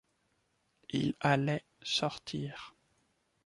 Il allait sortir.